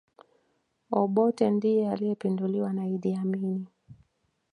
obotte ndiye aliyepinduliwa na idd amini